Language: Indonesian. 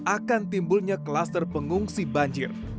akan timbulnya kluster pengungsi banjir